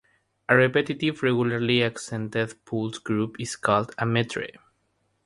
A repetitive, regularly accented pulse-group is called a metre.